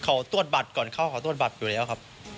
เขาตรวจบัตรก่อนเข้าเขาตรวจบัตรอยู่แล้วครับ